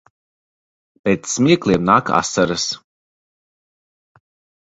Pēc smiekliem nāk asaras.